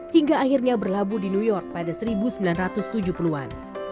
hingga akhirnya berlabuh di new york pada seribu sembilan ratus tujuh puluh an